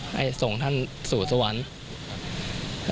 ให้ส่งท่านสู่สวรรค์